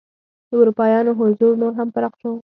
د اروپایانو حضور نور هم پراخ شو.